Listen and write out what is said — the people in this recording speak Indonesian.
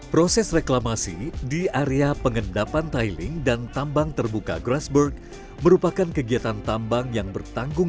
proses reklamasi di area pengendapan tiling dan tambang terbuka grassberg merupakan kegiatan tambang yang bertanggung jawab